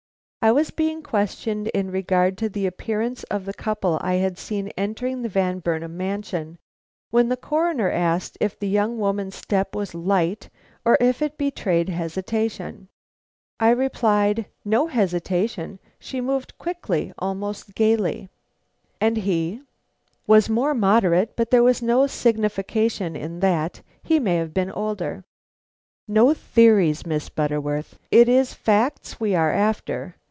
I was being questioned in regard to the appearance of the couple I had seen entering the Van Burnam mansion, when the Coroner asked if the young woman's step was light, or if it betrayed hesitation. I replied: "No hesitation; she moved quickly, almost gaily." "And he?" "Was more moderate; but there is no signification in that; he may have been older." "No theories, Miss Butterworth; it is facts we are after.